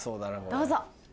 どうぞ。